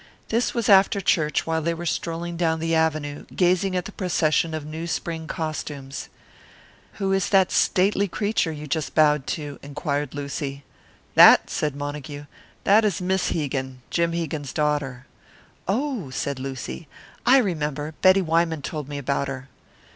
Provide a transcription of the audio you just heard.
This was after church while they were strolling down the Avenue, gazing at the procession of new spring costumes. "Who is that stately creature you just bowed to?" inquired Lucy. "That?" said Montague. "That is Miss Hegan Jim Hegan's daughter." "Oh!" said Lucy. "I remember Betty Wyman told me about her."